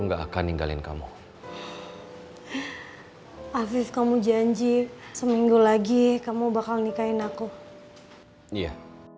enggak akan ninggalin kamu asis kamu janji seminggu lagi kamu bakal nikahin aku iya